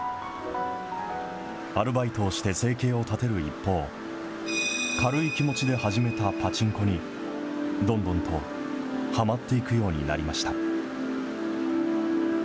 アルバイトをして生計を立てる一方、軽い気持ちで始めたパチンコに、どんどんとはまっていくようになりました。